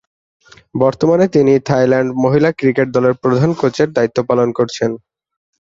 বর্তমানে তিনি থাইল্যান্ড মহিলা ক্রিকেট দলের প্রধান কোচের দায়িত্ব পালন করছেন।